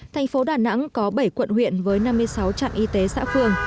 thành phố đà nẵng có bảy quận huyện với năm mươi sáu trạm y tế xã phường